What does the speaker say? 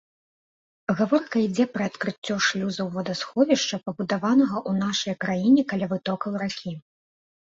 Гаворка ідзе пра адкрыццё шлюзаў вадасховішча, пабудаванага ў нашай краіне каля вытокаў ракі.